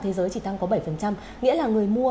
thế giới chỉ tăng có bảy nghĩa là người mua